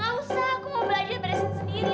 gak usah aku mau belajar baresin sendiri